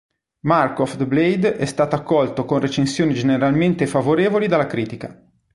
Mark of the Blade è stato accolto con recensioni generalmente favorevoli dalla critica.